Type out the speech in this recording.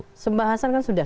pembahasan kan sudah